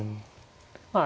まあ